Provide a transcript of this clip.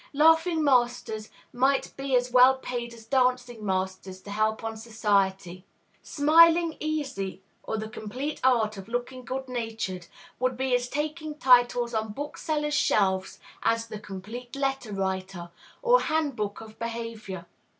Laughing masters might be as well paid as dancing masters to help on society! "Smiling made Easy" or the "Complete Art of Looking Good natured" would be as taking titles on book sellers' shelves as "The Complete Letter writer" or "Handbook of Behavior."